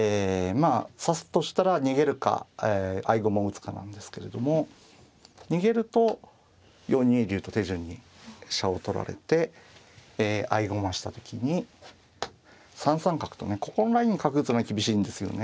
まあ指すとしたら逃げるか合駒を打つかなんですけれども逃げると４二竜と手順に飛車を取られて合駒した時に３三角とねここのライン角打つのは厳しいんですよね。